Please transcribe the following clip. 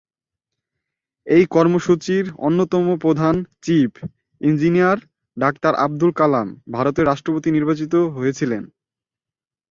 এই কর্মসূচির অন্যতম প্রধান chief engineer doctor Abdul Kalam ভারতের রাষ্ট্রপতি নির্বাচিত হয়েছিলেন।